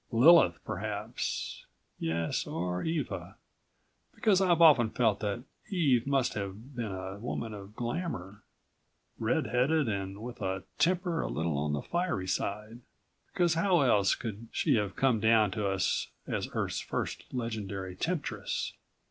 Lilith perhaps ... yes. Or Eva ... because I've often felt that Eve must have been a woman of glamor, red headed and with a temper a little on the fiery side, because how else could she have come down to us as Earth's first legendary temptress?